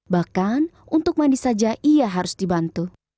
bahkan untuk mandi saja ia harus dibantu